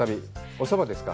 おそばですか？